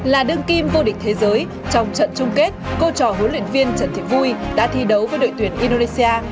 là đương kim vô địch thế giới trong trận chung kết cô trò huấn luyện viên trần thị vui đã thi đấu với đội tuyển indonesia